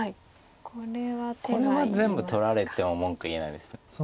これは全部取られても文句言えないです。